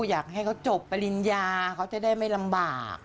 อยากให้เขาจบปริญญาเขาจะได้ไม่ลำบาก